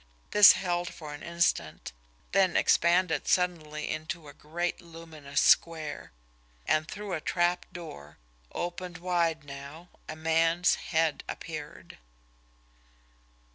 This held for an instant, then expanded suddenly into a great luminous square and through a trapdoor, opened wide now, a man's head appeared.